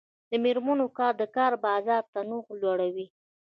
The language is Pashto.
د میرمنو کار د کار بازار تنوع لوړوي.